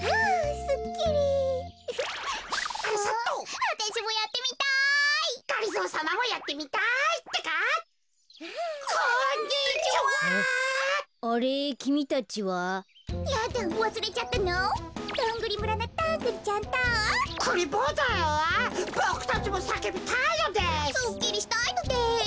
すっきりしたいのです。